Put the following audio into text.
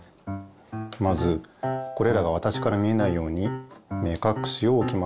まずこれらがわたしから見えないように目かくしをおきます。